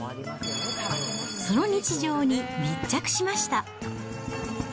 その日常に密着しました。